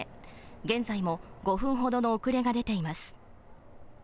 現在も５分ほどの遅れが出ています。